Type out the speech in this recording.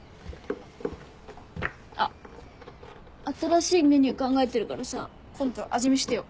あっ新しいメニュー考えてるからさ今後味見してよ。